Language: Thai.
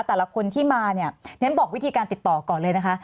แต่ละคนที่มาเนี่ยฉันบอกวิธีการติดต่อก่อนเลยนะคะ